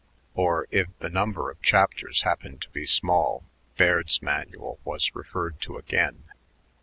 Or, if the number of chapters happened to be small, "Baird's Manual" was referred to again.